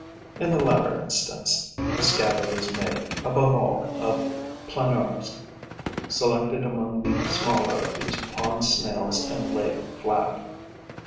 In the latter instance, the scabbard is made, above all, of Planorbes, selected among the smaller of these pond snails and laid flat.